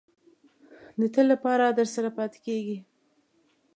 د تل لپاره درسره پاتې کېږي.